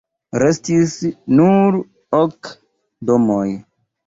Restis nur ok domoj.